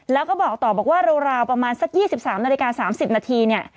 แล้วก็บอกต่อบอกว่าราวประมาณสัก๒๓นาฬิกา๓๐นาทีเนี่ย